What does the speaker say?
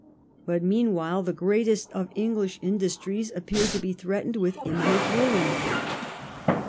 But, mean while, the greatest of English industries appeared to be threatened with imminent ruin.